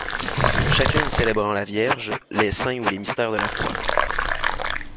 Chacune célébrant la Vierge, les saints ou les mystères de la foi.